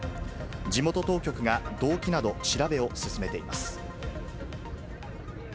地元当局が、動機など、調べを進めています。